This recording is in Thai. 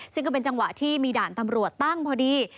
ซึ่งก็เป็นจังหวะที่มีด่านตำรวจตั้งพอดี